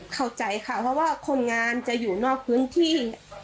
เข้าใจค่ะเพราะว่าคนงานจะอยู่นอกพื้นที่